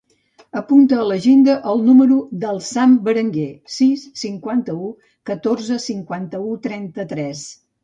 Apunta a l'agenda el número del Sam Berenguer: sis, cinquanta-u, catorze, cinquanta-u, trenta-tres.